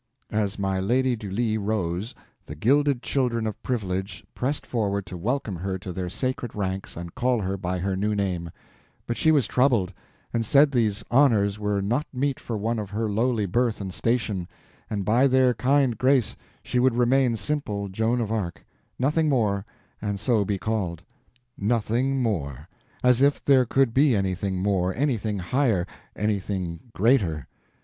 As my Lady Du Lis rose, the gilded children of privilege pressed forward to welcome her to their sacred ranks and call her by her new name; but she was troubled, and said these honors were not meet for one of her lowly birth and station, and by their kind grace she would remain simple Joan of Arc, nothing more—and so be called. Nothing more! As if there could be anything more, anything higher, anything greater.